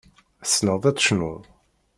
Tessneḍ ad tecnuḍ.